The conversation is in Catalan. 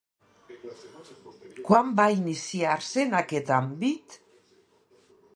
Quan va iniciar-se en aquest àmbit?